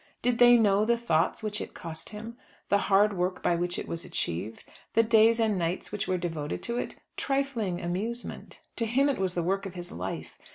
Did they know the thoughts which it cost him, the hard work by which it was achieved, the days and nights which were devoted to it? Trifling amusement! To him it was the work of his life.